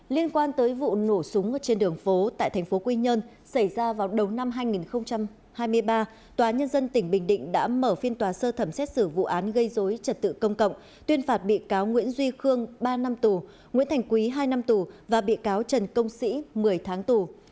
liên quan tới vụ nổ súng trên đường phố tại thành phố quy nhơn xảy ra vào đầu năm hai nghìn hai mươi ba tòa nhân dân tỉnh bình định đã mở phiên tòa sơ thẩm xét xử vụ án gây dối trật tự công cộng tuyên phạt bị cáo nguyễn duy khương ba năm tù nguyễn thành quý hai năm tù và bị cáo trần công sĩ một mươi tháng tù